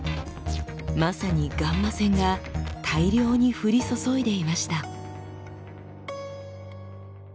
まさにガンマ線が大量に降り注いでいました。